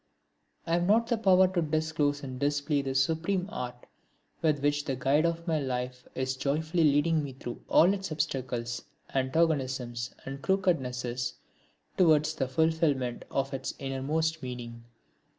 I have not the power to disclose and display the supreme art with which the Guide of my life is joyfully leading me through all its obstacles, antagonisms and crookednesses towards the fulfilment of its innermost meaning.